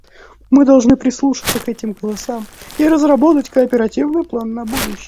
Мы должны прислушаться к этим голосам и разработать кооперативный план на будущее.